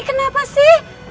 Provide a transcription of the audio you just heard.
ini kenapa sih